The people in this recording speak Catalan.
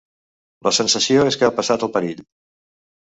La sensació és que ha passat el perill.